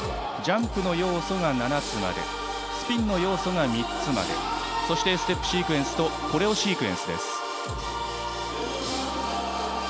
ジャンプの要素が７つまでスピンの要素が３つまでそしてステップシークエンスとコレオシークエンスです。